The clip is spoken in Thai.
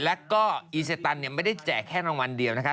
แล้วก็อีเซตันไม่ได้แจกแค่รางวัลเดียวนะคะ